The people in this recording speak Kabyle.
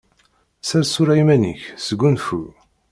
Sers tura iman-ik, sgunfu.